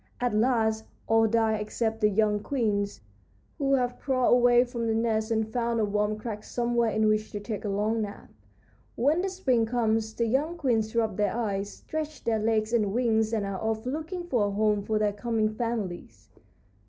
At last all die except the young queens, who have crawled away from the nest and found a warm crack somewhere in which to take a long nap. When the spring comes the young queens rub their eyes, stretch their legs and wings, and are off looking for a home for their coming families."